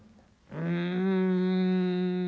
うん。